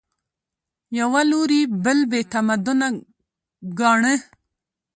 یوه لوري بل بې تمدنه ګاڼه